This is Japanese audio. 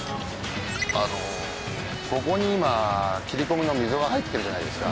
ここに今切り込みの溝が入ってるじゃないですか。